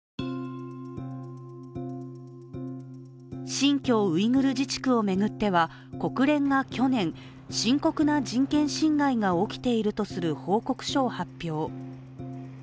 新疆ウイグル自治区を巡っては国連が去年深刻な人権侵害が起きているとする報告書を発表。